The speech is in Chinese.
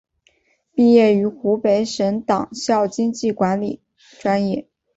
毕业于湖北省委党校经济管理专业。